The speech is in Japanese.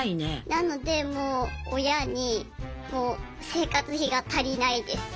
なのでもう親に生活費が足りないです